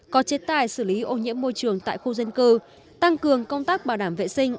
có chế tài xử lý ô nhiễm môi trường tại khu dân cư tăng cường công tác bảo đảm vệ sinh